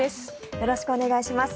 よろしくお願いします。